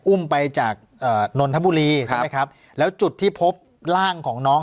อุ้มไปจากนนทบุรีใช่ไหมครับแล้วจุดที่พบร่างของน้อง